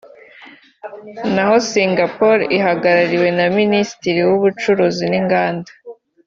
naho Singapore ihagarariwe na Minisitiri w’Ubucuruzi n’Inganda